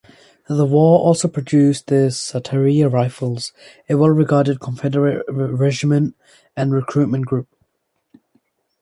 The war also produced the "Satartia Rifles", a well-regarded Confederate regiment and recruitment group.